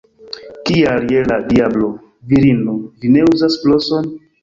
Kial je la diablo, virino, vi ne uzas broson?